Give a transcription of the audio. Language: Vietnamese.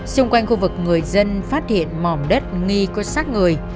xung quanh khu vực người dân phát hiện mỏm đất nghi có sát người